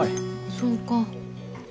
そうか。